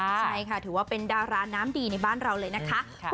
ใช่ค่ะถือว่าเป็นดาราน้ำดีในบ้านเราเลยนะคะ